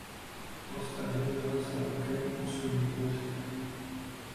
Postaveno bylo celkem osm jednotek.